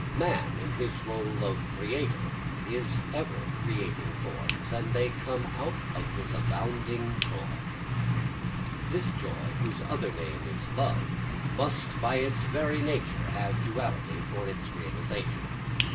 Man in his rôle of a creator is ever creating forms, and they come out of his abounding joy. This joy, whose other name is love, must by its very nature have duality for its realisation.